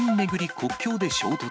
国境で衝突。